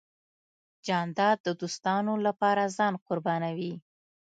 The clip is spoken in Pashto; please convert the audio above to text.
جانداد د دوستانو له پاره ځان قربانوي .